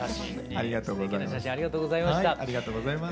ありがとうございます。